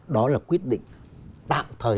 đó là quyết định tạm thời